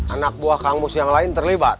anak buah kamus yang lain terlibat